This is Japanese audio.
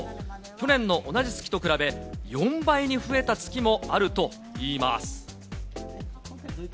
去年の同じ月と比べ、４倍に増えた月もあるといいます。